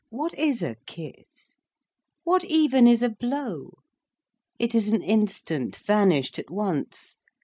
What is a kiss? What even is a blow? It is an instant, vanished at once.